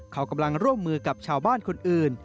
เขากำลังร่วมมือกับชาวบ้านคนอื่น